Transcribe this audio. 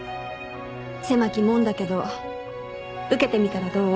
狭き門だけど受けてみたらどう？